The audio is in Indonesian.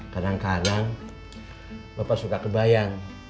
kadang kadang bapak suka kebayang